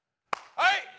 はい！